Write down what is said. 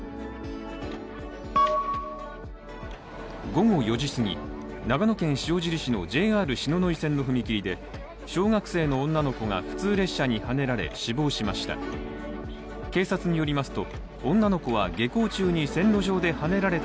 午後４時すぎ、長野県塩尻市のＪＲ篠ノ井線の踏切で小学生の女の子が普通列車にはねられ死亡しました。